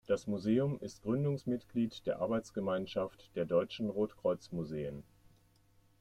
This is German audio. Das Museum ist Gründungsmitglied der Arbeitsgemeinschaft der deutschen Rotkreuz-Museen.